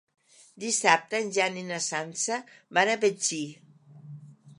Dissabte en Jan i na Sança van a Betxí.